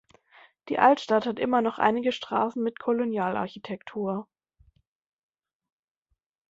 Die Altstadt hat immer noch einige Straßen mit Kolonialarchitektur.